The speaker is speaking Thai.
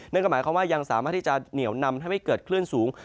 นั่นก็หมายความว่ายังสามารถที่จะเหนียวนำทำให้เกิดคลื่นสูง